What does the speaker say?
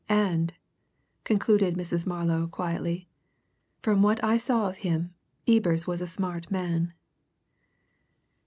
And," concluded Mrs. Marlow quietly, "from what I saw of him, Ebers was a smart man."